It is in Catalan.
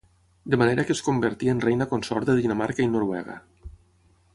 De manera que es convertí en reina consort de Dinamarca i Noruega.